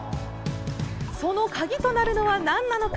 その鍵となるのは、なんなのか。